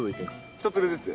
１粒ずつ？